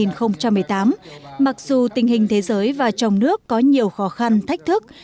năm hai nghìn một mươi tám mặc dù tình hình thế giới và trong nước có nhiều khó khăn thách thức